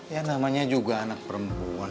ya namanya juga anak perempuan